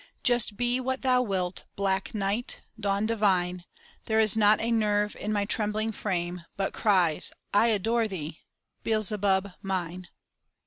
Just be what thou wilt, black night, dawn divine, There is not a nerve in my trembling frame But cries, "I adore thee, Beelzebub mine!"